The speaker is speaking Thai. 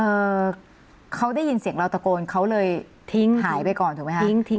เอ่อเขาได้ยินเสียงเราตะโกนเขาเลยทิ้งหายไปก่อนถูกไหมคะทิ้งทิ้ง